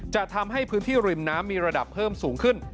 จะทำให้พื้นที่ริมน้ำมีระดับเพิ่มสูงขึ้น